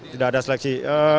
tidak ada seleksi